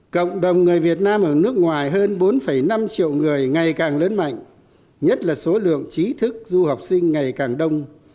cộng đồng người việt nam ở nước ngoài hơn bốn năm triệu người ngày càng lớn mạnh nhất là số lượng trí thức du học sinh ngày càng đông